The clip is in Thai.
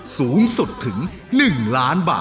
สูงสุดถึง๑ล้านบาท